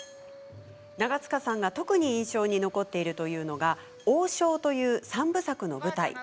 長塚さんが、特に印象に残っているというのが「王将」という三部作の舞台。